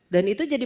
dan itu jadi